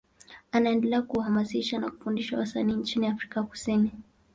Anaendelea kuhamasisha na kufundisha wasanii nchini Afrika Kusini.